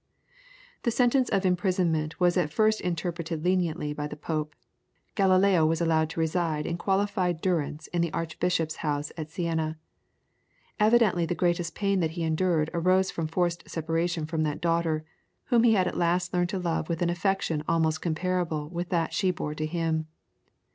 The sentence of imprisonment was at first interpreted leniently by the Pope. Galileo was allowed to reside in qualified durance in the archbishop's house at Siena. Evidently the greatest pain that he endured arose from the forced separation from that daughter, whom he had at last learned to love with an affection almost comparable with that she bore to him.